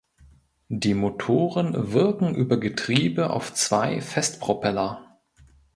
Die Motoren wirken über Getriebe auf zwei Festpropeller.